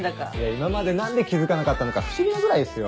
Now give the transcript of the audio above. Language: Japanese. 今まで何で気付かなかったのか不思議なぐらいっすよ。